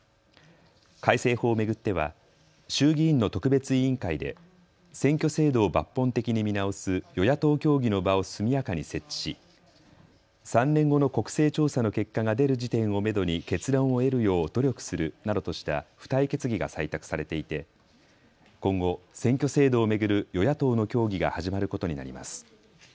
改正法を巡っては衆議院の特別委員会で選挙制度を抜本的に見直す与野党協議の場を速やかに設置し３年後の国勢調査の結果が出る時点をめどに結論を得るよう努力するなどとした付帯決議が採択されていて今後、選挙制度を巡る与野党の協議が始まることになります。